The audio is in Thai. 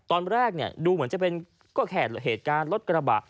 ตอนแรกดูเหมือนจะเป็นก็แค่เหตุการณ์รถกระบะ